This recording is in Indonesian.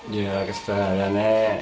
ya kesedaran saya